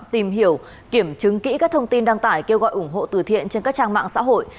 tìm hiểu kiểm chứng kỹ các thông tin đăng tải kêu gọi ủng hộ từ thiện trên các trang mạng xã hội